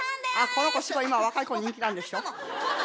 この子すごい今若い子に人気なんでしょ。